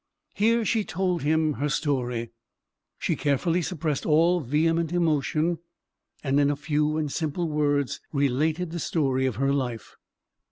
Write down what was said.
Here she told him her story. She carefully suppressed all vehement emotion; and in few and simple words related the story of her life.